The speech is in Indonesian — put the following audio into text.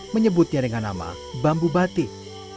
menyebutnya dengan nama bambu batik